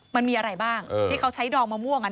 มันมีอะไรบ้างที่เขาใช้ดองมะม่วง